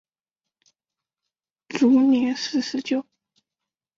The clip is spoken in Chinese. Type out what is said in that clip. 卒年四十九。